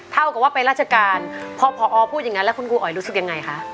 เท่ากับว่าไปราชการพอพอพูดอย่างนั้นแล้วคุณครูอ๋อยรู้สึกยังไงคะ